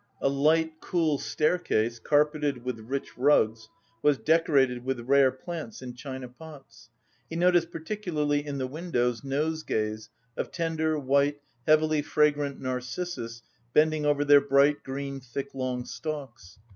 A light, cool staircase, carpeted with rich rugs, was decorated with rare plants in china pots. He noticed particularly in the windows nosegays of tender, white, heavily fragrant narcissus bending over their bright, green, thick long stalks.